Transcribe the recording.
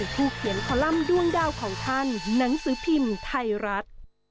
ผู้เขียนคอลัมป์ด้วงดาวของท่านหนังสือพิมพ์ไทยรัฐ